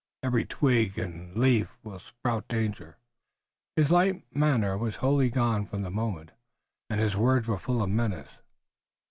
Every twig and leaf will spout danger!" His light manner was wholly gone for the moment, and his words were full of menace.